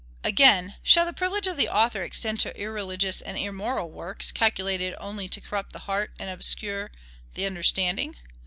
Again, shall the privilege of the author extend to irreligious and immoral works, calculated only to corrupt the heart, and obscure the understanding?